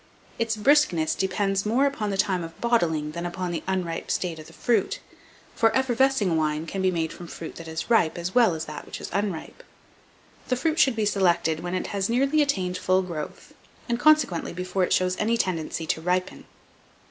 Its briskness depends more upon the time of bottling than upon the unripe state of the fruit, for effervescing wine can be made from fruit that is ripe as well as that which is unripe. The fruit should be selected when it has nearly attained its full growth, and consequently before it shows any tendency to ripen.